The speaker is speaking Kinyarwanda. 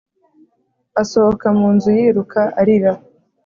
asohoka munzu yiruka arira